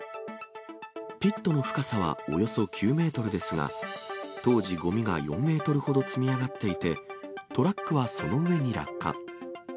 ピットの深さはおよそ９メートルですが、当時、ごみが４メートルほど積み上がっていて、トラックはその上に落下。